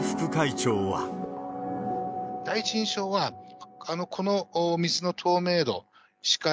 第一印象は、この水の透明度、視界、